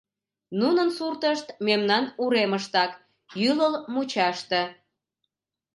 Нунын суртышт мемнан уремыштак, ӱлыл мучаште.